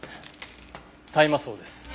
大麻草です。